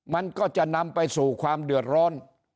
มันก็จะนำไปสู่ความเดือดร้อน